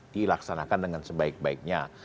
dilaksanakan dengan sebaik baiknya